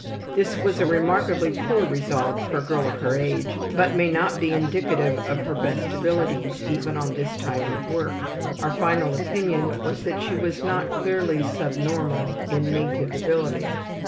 This was a remarkably poor result for a girl of her age, but may not be indicative of her best abilities even on this type of work. Our final opinion was that she was not clearly subnormal in native ability.